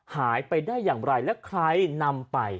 หายไปได้อย่างไรและใครนำไป